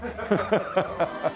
ハハハハ！